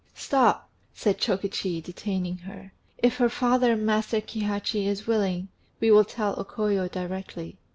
"Stop!" said Chokichi, detaining her; "if her father, Master Kihachi, is willing, we will tell O Koyo directly.